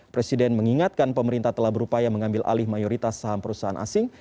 presiden mengingatkan pemerintah telah berupaya mengambil alih mayoritas saham perusahaan asing